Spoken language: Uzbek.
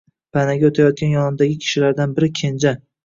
Panaga o‘tayotgan yonidagi kishilardan biri Kenja